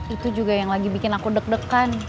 itu juga yang lagi bikin aku deg degan